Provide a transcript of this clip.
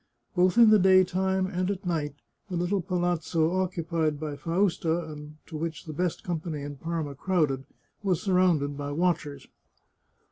Both in the daytime, and at night, the little Palazzo occupied by Fausta, and to which the best company in Parma crowded, was surrounded by watchers.